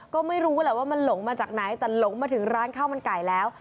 ก็ไม่รู้แหละว่ามันหลงมาจากไหนแต่หลงมาถึงร้านข้าวมันไก่แล้ว